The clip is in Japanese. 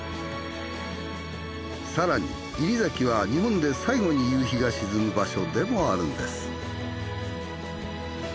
更に西崎は日本で最後に夕日が沈む場所でもあるんです。